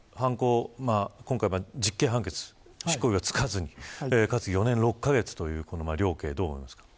今回、実刑判決執行猶予は付かずにかつ４年６カ月という量刑はどう思いますか。